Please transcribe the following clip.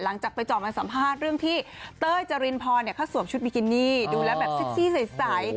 หลังจากไปเจาะมาสัมภาษณ์เรื่องที่เต้ยจรินพรเขาสวมชุดบิกินี่ดูแล้วแบบเซ็กซี่ใส